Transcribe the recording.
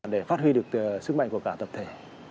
để phát huy được sức mạnh của cả tập thể